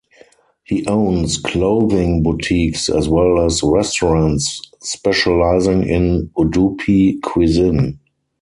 He owns clothing boutiques as well as restaurants specializing in Udupi cuisine.